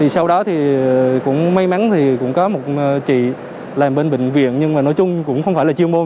sau đó may mắn có một chị làm bên bệnh viện nhưng nói chung cũng không phải là chuyên môn